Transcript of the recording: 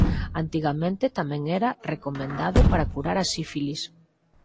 Antigamente tamén era recomendado para curar a sífilis.